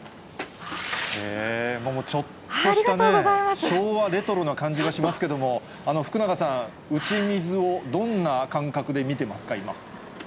へぇ、ちょっとしたね、昭和レトロな感じがしますけども、福永さん、打ち水をどんな感覚で見てますか、今。